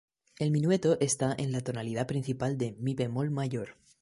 El minueto está en la tonalidad principal de "mi bemol mayor".